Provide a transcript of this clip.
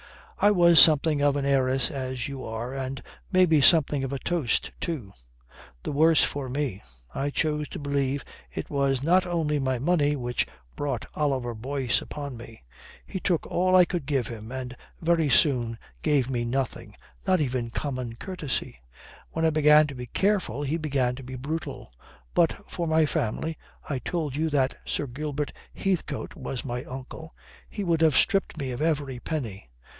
"I was something of an heiress as you are and maybe something of a toast too. The worse for me. I choose to believe it was not only my money which brought Oliver Boyce upon me. He took all I could give him and very soon gave me nothing, not even common courtesy. When I began to be careful he began to be brutal. But for my family I told you that Sir Gilbert Heathcote was my uncle he would have stripped me of every penny.